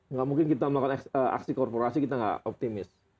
nggak mungkin kita melakukan aksi korporasi kita nggak optimis